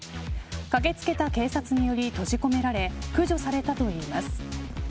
駆け付けた警察により閉じ込められ駆除されたといいます。